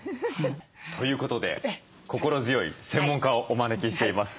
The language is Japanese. ということで心強い専門家をお招きしています。